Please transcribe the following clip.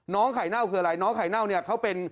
ไข่เน่าคืออะไรน้องไข่เน่าเนี่ยเขาเป็น